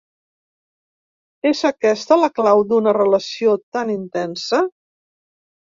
És aquesta la clau d’una relació tan intensa?